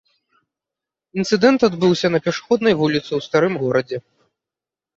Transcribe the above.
Інцыдэнт адбыўся на пешаходнай вуліцы ў старым горадзе.